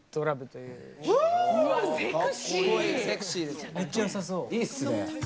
いいっすね。